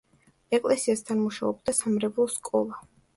ეკლესიასთან მუშაობდა სამრევლო სკოლა.